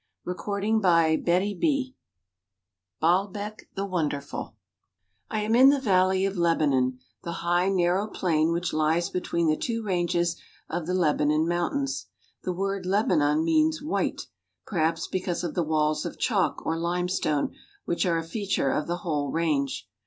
231 CHAPTER XXVIII BAALBEK THE WONDERFUL I AM in the Valley of Lebanon, the high, narrow plain which lies between the two ranges of the Lebanon Mountains. The word Lebanon means "white," perhaps because of the walls of chalk or limestone which are a feature of the whole range.